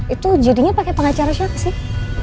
itu jadinya pakai pengacara siapa sih